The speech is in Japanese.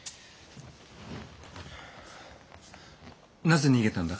なぜ逃げたんだ？